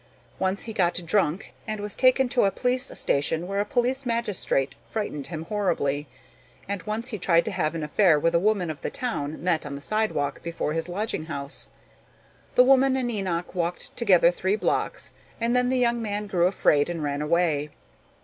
Once he got drunk and was taken to a police station where a police magistrate frightened him horribly, and once he tried to have an affair with a woman of the town met on the sidewalk before his lodging house. The woman and Enoch walked together three blocks and then the young man grew afraid and ran away.